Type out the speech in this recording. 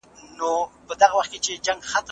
ایا ناقصه ایډیالوژي د ټولني د پرمختګ مخه نیسي؟